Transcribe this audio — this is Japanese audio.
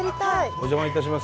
お邪魔いたします。